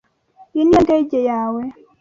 Iyi niyo ndege yawe?